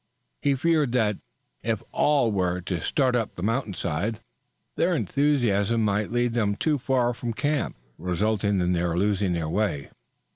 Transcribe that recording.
He feared that, if all were to start up the mountain side, their enthusiasm might lead them too far from camp, resulting in their losing their way.